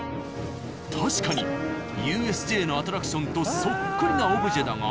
確かにＵＳＪのアトラクションとそっくりなオブジェだが。